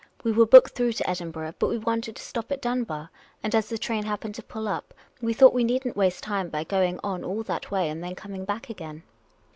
We were booked through to Edinburgh, but we wanted to stop at Dunbar ; and as the train happened to pull up, we thought we need n't waste time by going on all that way and then coming back again."